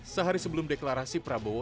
sehari sebelum deklarasi prabowo